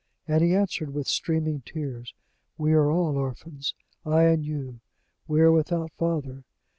And he answered, with streaming tears: 'We are all orphans, I and you; we are without Father!'"